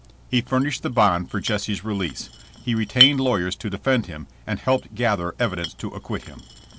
*'He furnished the bond for Jesse's release. He retained lawyers to defend him, and helped gather evidence to acquit him.